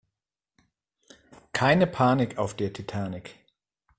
Keine Panik auf der Titanic!